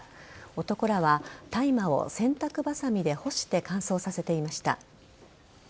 男らは大麻を洗濯バサミで干して乾燥させていました。